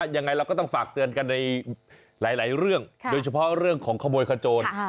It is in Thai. ยังไงเราก็ต้องฝากเตือนกันในหลายเรื่องโดยเฉพาะเรื่องของขโมยขโจร